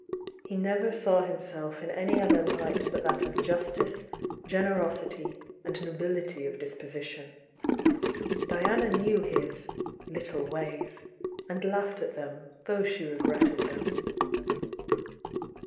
He never saw hiiiiself in any other light but that of justice, generosity and nobility of disposition. Diana knew his "little ways," and laughed at them thou{^ she regretted them.